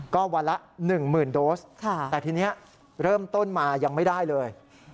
ก็วันละ๑๐๐๐โดสแต่ทีนี้เริ่มต้นมายังไม่ได้เลย